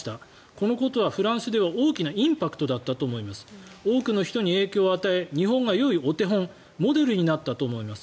このことはフランスでは大きなインパクトだったと思います多くの人に影響を与え日本がよいお手本モデルになったと思います。